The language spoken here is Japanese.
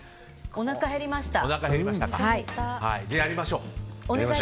おなかへりました。